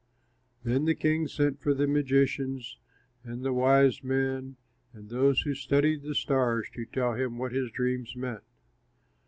Then the king sent for the magicians and the wise men, and those who studied the stars to tell him what his dreams meant.